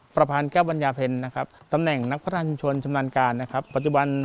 ประพานแก้วบัญญาเพลินนะครับ